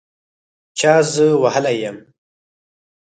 چا زه وهلي یم